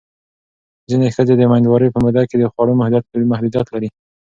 ځینې ښځې د مېندوارۍ په موده کې د خوړو محدودیت لري.